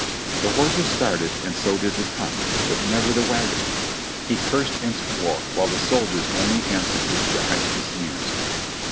The horses started and so did the tongue, but never the wagon. He cursed and swore, while the soldiers only answered with jibes and sneers.